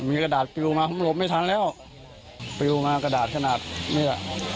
มีกระดาษปิวมาผมหลบไม่ทันแล้วปิวมากระดาษขนาดเนี้ย